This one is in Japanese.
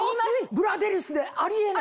ブラデリスであり得ない！